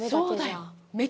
そうだよ。